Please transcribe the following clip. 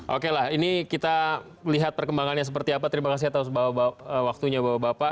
oke lah ini kita lihat perkembangannya seperti apa terima kasih atas waktunya bapak bapak